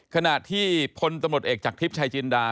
ขณะที่พลตำรวจเอกจากทริปชายจินดา